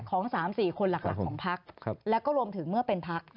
ของ๓๔คนหลักหลักของพักและก็รวมถึงเมื่อเป็นพัก